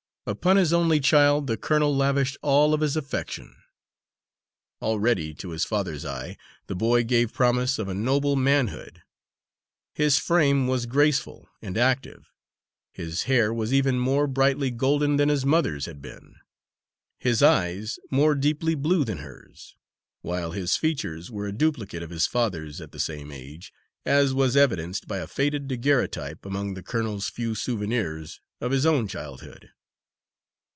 Upon his only child the colonel lavished all of his affection. Already, to his father's eye, the boy gave promise of a noble manhood. His frame was graceful and active. His hair was even more brightly golden than his mother's had been; his eyes more deeply blue than hers; while his features were a duplicate of his father's at the same age, as was evidenced by a faded daguerreotype among the colonel's few souvenirs of his own childhood.